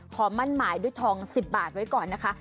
มั่นหมายด้วยทอง๑๐บาทไว้ก่อนนะคะ